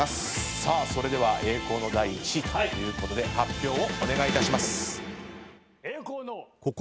それでは栄光の第１位ということで発表をお願いいたします。